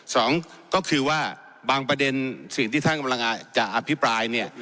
สองก็คือว่าบางประเด็นที่ท่านกำลังจะอภิปราย